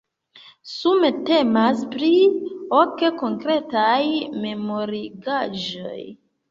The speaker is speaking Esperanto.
Sume temas pri ok konkretaj memorigaĵoj.